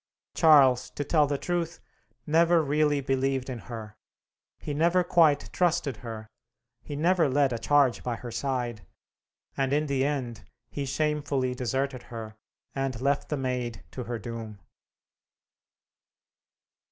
Charles, to tell the truth, never really believed in her; he never quite trusted her; he never led a charge by her side; and in the end, he shamefully deserted her, and left the Maid to her doom.